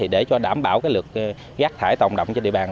để đảm bảo lực rác thải tổng động trên địa bàn